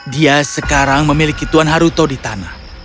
dia sekarang memiliki tuan haruto di tanah